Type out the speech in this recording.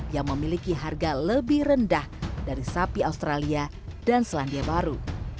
yang memiliki harga lebih rendah dari sapi australia dan selandia baru